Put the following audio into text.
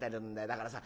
だからさ